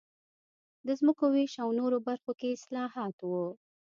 د ځمکو وېش او نورو برخو کې اصلاحات و